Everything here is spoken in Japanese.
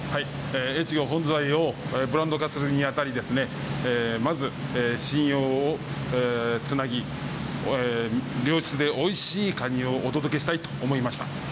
越後本ズワイをブランド化するにあたり、まず、信用をつなぎ、良質でおいしいカニをお届けしたいと思いました。